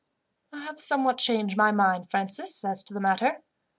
"I have somewhat changed my mind, Francis, as to that matter.